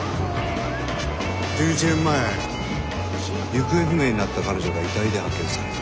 １１年前行方不明になった彼女が遺体で発見された。